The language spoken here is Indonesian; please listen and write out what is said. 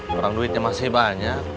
kurang duitnya masih banyak